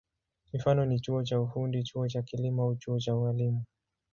Mifano ni chuo cha ufundi, chuo cha kilimo au chuo cha ualimu.